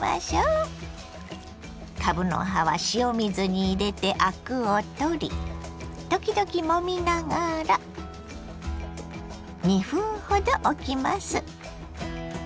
かぶの葉は塩水に入れてアクを取り時々もみながら２分ほどおきます。